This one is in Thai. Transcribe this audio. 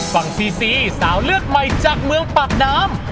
ฝั่งซีซีสาวเลือดใหม่จากเมืองปากน้ำ